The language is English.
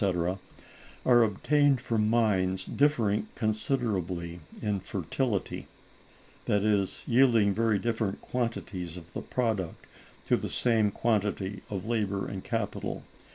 —are obtained from mines differing considerably in fertility—that is, yielding very different quantities of the product to the same quantity of labor and capital.